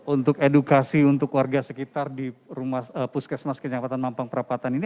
untuk edukasi untuk warga sekitar di puskesmas kecamatan mampang perapatan ini